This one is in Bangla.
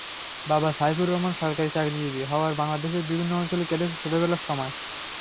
বাবা সাইফুর রহমান সরকারি চাকরিজীবী হওয়ায় বাংলাদেশের বিভিন্ন অঞ্চলে কেটেছে ছোটবেলার সময়।